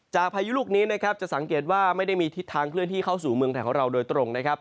พายุลูกนี้นะครับจะสังเกตว่าไม่ได้มีทิศทางเคลื่อนที่เข้าสู่เมืองไทยของเราโดยตรงนะครับ